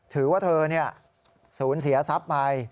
ถือว่าเธอสูญเสียทรัพย์ไป